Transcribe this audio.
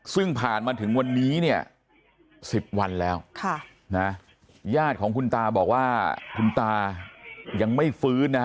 ซึ่งผ่านมาถึงวันนี้เนี่ย๑๐วันแล้วญาติของคุณตาบอกว่าคุณตายังไม่ฟื้นนะฮะ